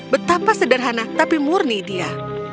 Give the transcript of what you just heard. betapa sederhana tapi murni dia